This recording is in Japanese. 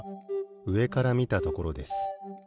うえからみたところです。